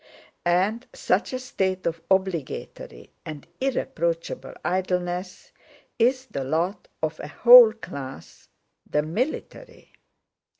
And such a state of obligatory and irreproachable idleness is the lot of a whole class—the military.